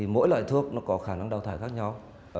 mỗi loại thuốc nó có khả năng đào thải khác nhau